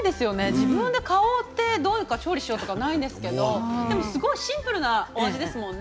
自分で買って調理しようというのはないんですけどすごいシンプルなお味ですもんね